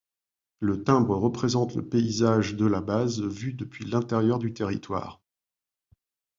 Le timbre représente le paysage de la base vue depuis l'intérieur du territoire.